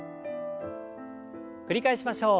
繰り返しましょう。